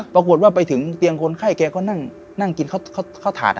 ปรากฏว่าไปถึงเตียงคนไข้แกก็นั่งนั่งกินข้าวข้าวข้าวถาดอ่ะ